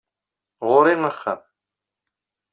Ɣur-i axxam.